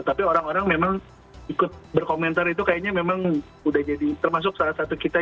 tapi orang orang memang ikut berkomentar itu kayaknya memang udah jadi termasuk salah satu kita